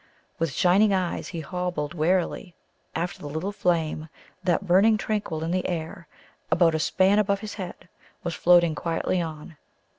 With shining eyes he hobbled warily after the little flame that, burning tranquil in the air, about a span above his head, was floating quietly on.